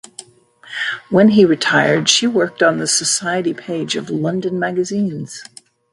When he retired she worked on the society page of London magazines.